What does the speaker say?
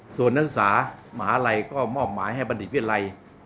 ส่วนนักศึกษามหาลัยก็มอบหมายให้บัณฑิตวิทยาลัย